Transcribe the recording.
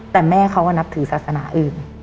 แต่แม่เขาก็นับถือศาสนาอื่น